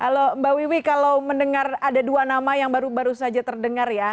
halo mbak wiwi kalau mendengar ada dua nama yang baru baru saja terdengar ya